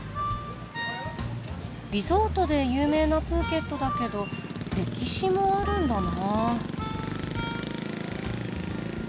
リゾートで有名なプーケットだけど歴史もあるんだな。